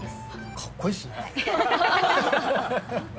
かっこいいっすね。